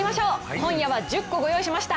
今夜は１０個、ご用意しました。